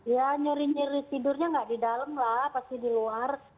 ya nyeri nyeri tidurnya nggak di dalam lah pasti di luar